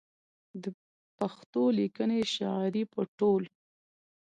د پښتو ليکنۍ شاعرۍ په ټول